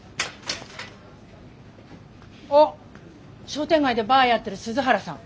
商店街でバーやってる鈴原さん。